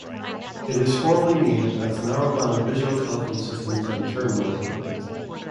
It is formally named as "Narrow-band visual telephone systems and terminal equipment".